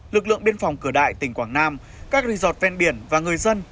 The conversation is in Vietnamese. lực lượng biên phòng cửa đại tỉnh quảng nam các resort ven biển và người dân